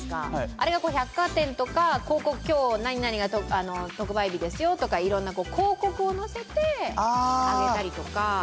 あれが百貨店とか広告今日○○が特売日ですよとか色んな広告をのせてあげたりとかあ